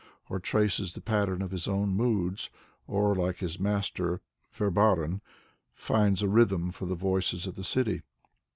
or traces the pattern of his own moods, or, like his master Verbaeren, finds a rhythm for the voices of the city.